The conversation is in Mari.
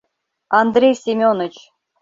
Андрей Семёныч.